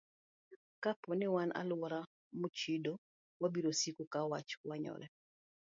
Kapo ni wan e alwora mochido, wabiro siko ka wach wanyore.